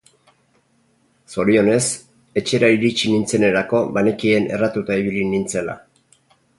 Zorionez, etxera iritsi nintzenerako banekien erratuta ibili nintzela.